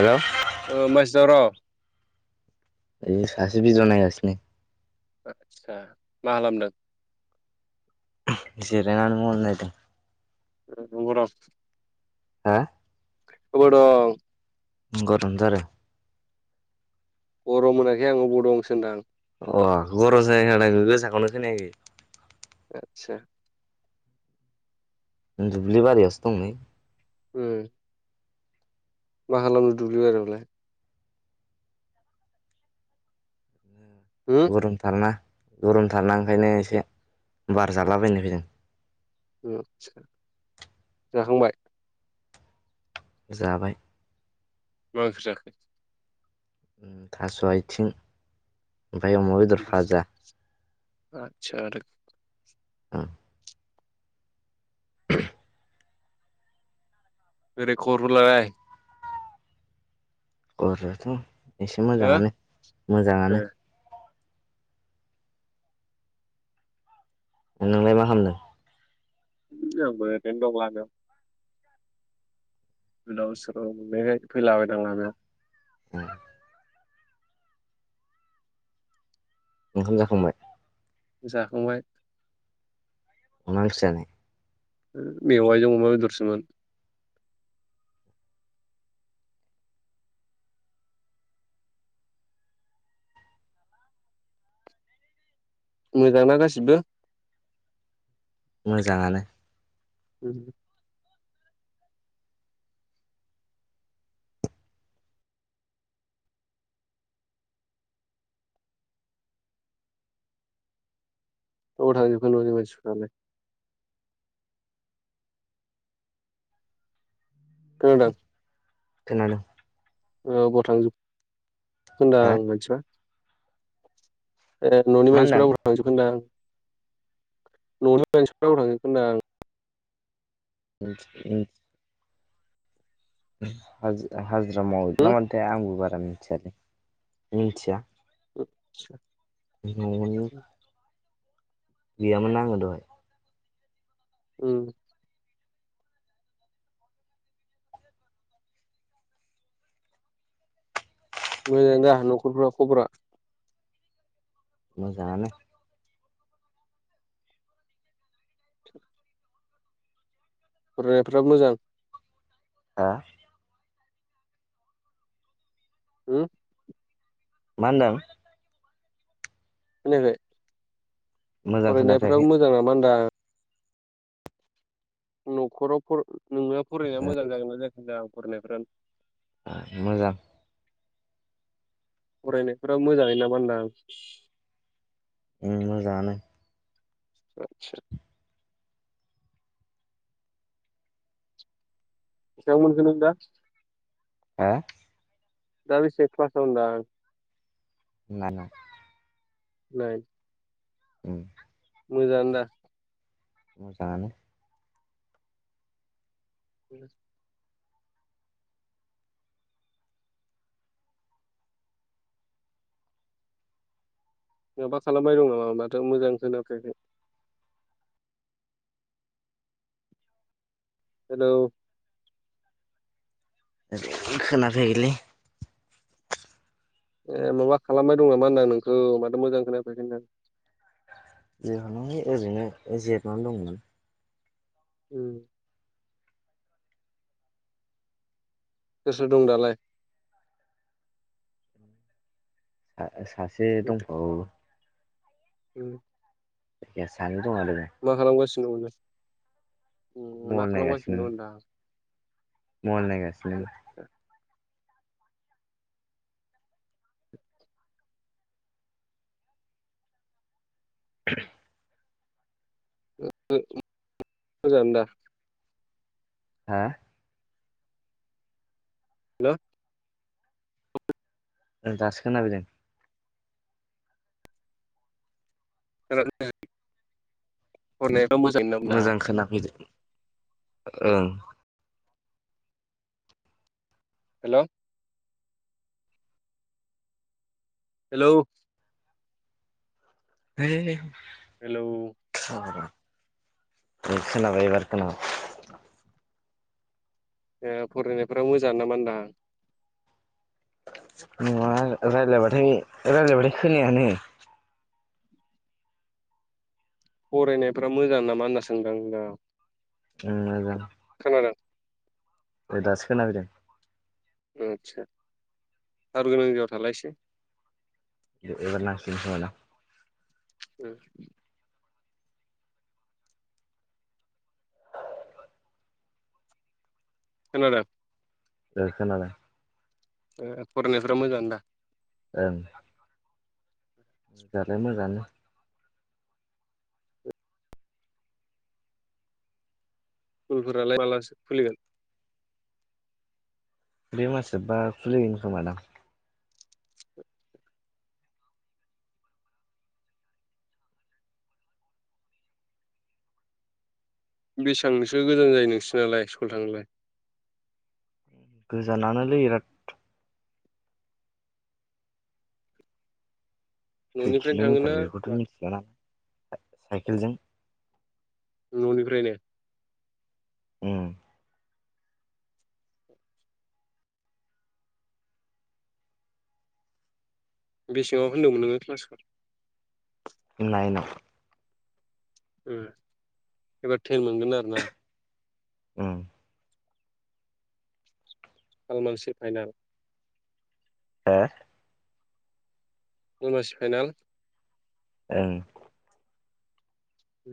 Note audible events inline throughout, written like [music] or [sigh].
हेल' ओ मासि दावराव? ओय सासे भिदिय' नायगासिनो। आस्सा मा खालामदों? जिरायनानै मबेल नायदों। ओ [unintelligible] हा? अबाव दं? गरम थ' आरो गरम मोनाखै अबाव दं सो होनदां। अ गर' [unintelligible] गोसाखौनो खोनायाखायाखै आतसा दुब्लि बारियावसो दं नै। उम मा खालामनो दुब्लि बारियावलाय? होम गरमथारना गरमथारना ओंखायनो एसे बार जालाबायनो फैदों। आच्छा जाखांबाय? जाबाय। मां ओंख्रि जाखो। थास' आइथिं ओमफाय अमा आतसा आरो [unintelligible] बोरै खबरफोरालाय? गरआथ' एसे हो मोजाङानो ए मोजाङानो। नोंलाय मा खालामामदों? जोंबो ओरैनो दं लामायाव। गोदाव सोराव मोननायखाय फैलाबायदां लामायाव। औ ओंखाम जाखांबाय? जाखांबाय। अ मा ओंख्रि जानाय? मेवाइजों अमा बेदरसोमोन। मोजांना गासिबो? मोजाङानो। उम अबाव थांजोबखो न'नि मानसिफोरालाय। खोनादों। खोनादों। ओ अबाव थांजोब खो होनदां हा आं मानसिफोरा। ए न'नि मा मानसिफोरा होनदों अबाव थांजोबख होनदां। न'नि मानसिफ्रा अबाव थांजोबखो होनदो आं। उम उन हाजिरा हाजिरा मावैदो नामाथाय आंबो बारा मिथियालै मिथिया। आतसा न'नि गैयामोन ना आङो दहाय। उम मोजां दाह न'खरफ्रा खबरा? मोजांआनो। फरायनायफ्रा मोजां। हा होम मा होनदों? खोनायाखै? मोजां फरायनायफ्रा खोनाफैयाखै मोजां नामा होनदां? न'खराव फर नोंना फरायनाया मोजां जागोन ना जायखै होनदां फरायनायफ्रा? मोजां फरायनायफोरा मोजाङै नामा होनदां? उम मोजांआनो आतसा बिसेबां मोनखो नों दा हा दाबेसे क्लासाव होनदां? नाइन। नाइन उम मोजां दा? मोजांआनो। दे माबा खालामबाय दं नामा होनबाथ' मोजांखौोाखैखाय हेल' खोनाफै गैलै ए माबा खालामबाय दं नामा होनदां नोंखौ माथो मोजां खोनाफैगोनदां जोहना ओरैनो जिरनानै दंमोन। उम गोसो दं दालाय? सासे दंबावो। उ [inaudible] साननोदोंङााद मा खालामगासिनो दं मा मबाइल खालामगासिनो दं दां मल नायगासिनो [inaudible] मोजां दा हा हेल' दासो खोनादों फरायनायाथ' मोजां ना होनदा खोनाफैदो ओं हेल' हेलौ हो हेल' बे खोनाबाय एबार खोनाबाय फरायनायफोरा मोजां नामा होनदां नङा रायजलायबाथाय रायज्लायबाथाय खोनायानो फरायनायफ मोजां नामा होनना सोंदां दा जा खानडा औ दासो खोनााबैदों आदसा थार गोनां जयाव थालायसै इ एबारना फसमोनना उ नना दा बेखोनालाय फरायनायफ्रा मोजां दा ओं मोजालाय मोजाङानो स्कुलफोरालाय माबलाो खुलिगोन बे मास बा खुलियोन खोमा दां बेसेबांसो गोजान जायो नोंसोरनालाय सलथांलाय गोजानोलै बिराद [unintelligible] न'निफ्रायनो किल'मिटार थाङोना बेखौथ' मा मिथिला नालाय साइकेलजों न'निफ्रायनो उ बेसेङाव होनदोंमोन नोङो क्लासखौ ननायाइनो एबार टेन मोनगोन आरो ना उम कलमानसे फाइनाल हो? खयमासि फाइनाल ओं औ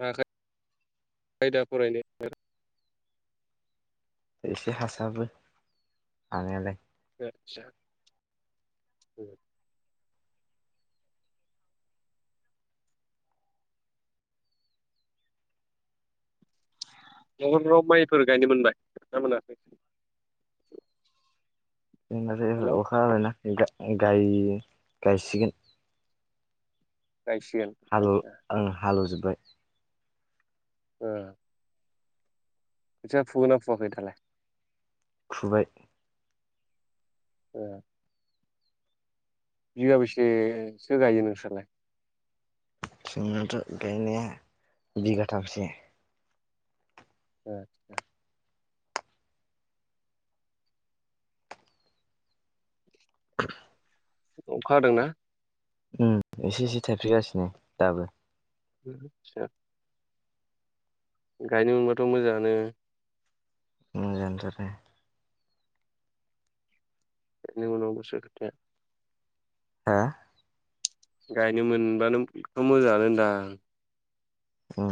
मा आयदा फरायनो एसे हासाबो हानायालाय आसा न' न' माइफोर गायनो मोनबाय ना मोनाखै जोंनाथ' हेल' एबार अखा हाबायना गा गाय गायसिगोन। गायसिगोन हाल आं हालौवजोबबाय ओ खोथिया फुगोननाफुयाखै दालाय? फुबाय। ए बिगा बेसेसो गायो नोंस्रालाय? जोंनाथ' गायनाया बिगाथामसो। आच्छा। [inaudible] अखा हादों ना? उम एसे एसे थाइफ्रिगासिनो दाबो। आच्छा। गायनो मोनबाथ' मोजाङानो। मोजांथ आरो। एनि उनावबासो खोथाया। हो? गायनो मोनबानो मोजाङानो होनदां। अ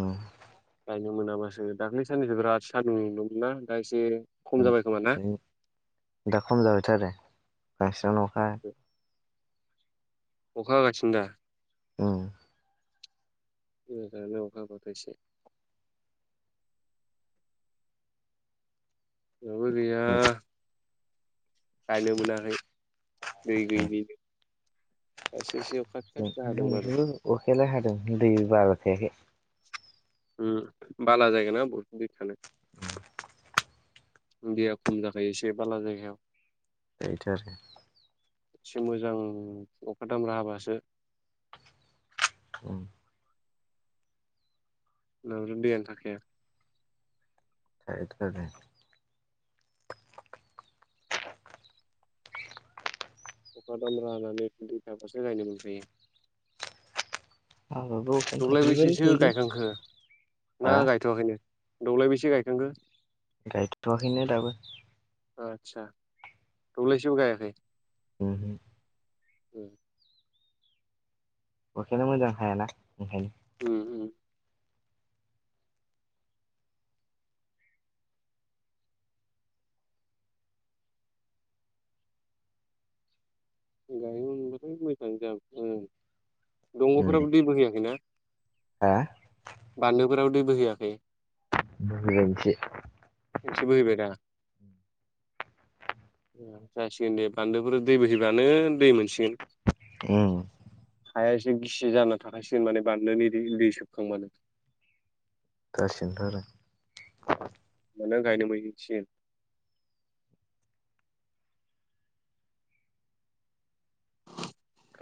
गायनो मोनामासो दाख्लै साननैसो बिराद सान्दुं नुदोंना दा एसे खम जाबाय खोमा ना दा खम जाबायथ' आरो बांसिनानो अखा अखा हागासिनो दा? औ मोजाङानो नो अखा हाबाथ' एसे जोंहाबो गैया गायनो मोनाखै दै जोंनिथिंबो गैयिनिनो। एसे एसे अखा फिसा फिसा हादों बा‌ र अखायालाय हादों दै बारा थायाखै। उम बाला जायगा ना बहाथो दै थानो। दैया खम जाखायो एसे बाला जायगायाव। बेथ' आरोखि एसे मोजां अखा दामरा हाबासो अ नोंजों दैयानो थाखाया थायाथ' आरो। अखा दामरा हानानै दै थाबासो गायनो मोनखायो। आंनाथ' दब्लाय बेसेसो गायखांखो ना हा गायथ'वाखैनो दब्लाय बेसे गायखांखो? गायथ'वाखैनो दाबो। आदसा दब्लायसेबो गायाखै उम उम बेखायनो मोजां हायाना ओंखायनो [inaudible] गायमोनब्लाथ' मोजां जाबायमोन दंग'फोराबो दैबो होयाखैना? हो? बानलुफोराव दै बोहैयाखै बोहैबाय इसे एसे बोहैबाय दा? जासिगोन दे बान्दोफोर दै बोहैब्लानो दै मोनसिगोन औ हाया एसे गिसि जाना थाखायासो माने बानदोन दै सोबखां मानो दासिनोथ आरो माने गायनो मोनसिन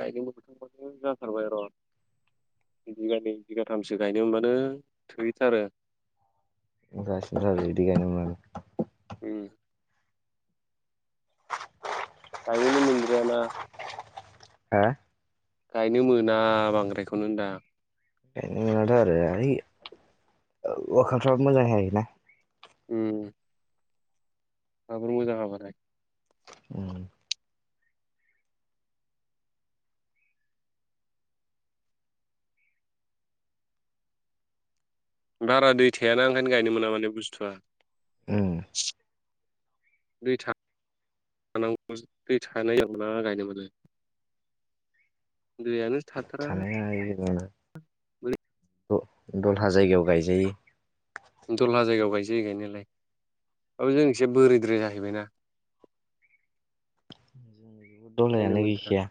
गायदोंबो बोथां बाथ जाथारबाय र' बिघानैै बिगाथामसो गायनो मोनब्लानो थोथारो दि गायनो उम गायनो मोनग्रोआ ना हा गायनो मोना बांद्रायखौनो होन दा बेंखायनोनाथ' आरो इ अखानफ्राब मोजां जायोना उम [unintelligible] उम बारा दै थायाना ओंखायनो गायनो मोना माने बुस्थुआ उम दै थानांगौ दै थानायाव मोना गायनो मोनो दुयानो थानाया बोरै दलहा जायगायाव गायजायो दहलहा जायगायाव गायसायो गायनायलाय बे जों एसे बोरैद्राय जाहैबायना [inaudible] [unintelligible] मोनथ्रा गैखाया